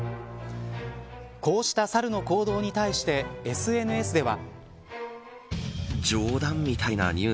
こうしたサルの行動に対してＳＮＳでは。